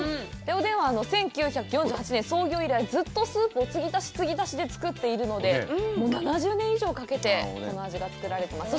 おでんは１９４８年、創業以来ずっとスープを継ぎ足し継ぎ足しで作っているので、７０年以上かけて、この味が作られています。